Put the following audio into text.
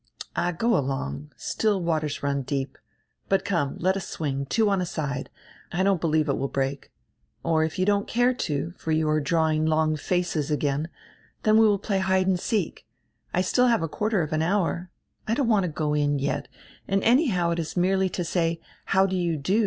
"All, go along. Still waters run deep — But come, let us swing, two on a side; I don't believe it will break. Or if you don't care to, for you are drawing long faces again, then we will play hide and seek. I still have a quarter of an hour. I don't want to go in, yet, and anyhow it is merely to say: 'How do you do?'